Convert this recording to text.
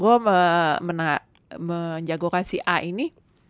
gue menjagokan si a ini